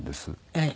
ええ。